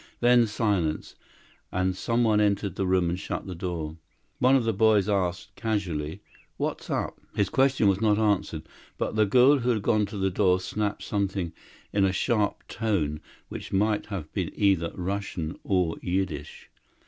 Then silence; and some one entered the room and shut the door. One of the boys asked, casually, "What's up?" His question was not answered, but the girl who had gone to the door snapped something in a sharp tone which might have been either Russian or Yiddish.